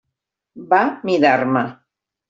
Va mirar-me.